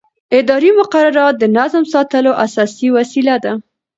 اداري مقررات د نظم ساتلو اساسي وسیله ده.